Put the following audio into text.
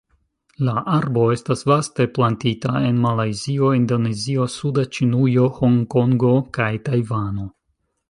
La arbo estas vaste plantita en Malajzio, Indonezio, suda Ĉinujo, Hongkongo kaj Tajvano.